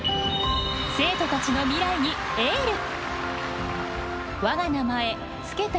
生徒たちの未来にエール！